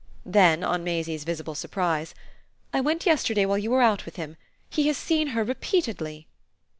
Then on Maisie's visible surprise: "I went yesterday while you were out with him. He has seen her repeatedly."